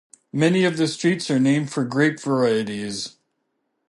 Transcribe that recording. Many of the streets are named for grape varieties.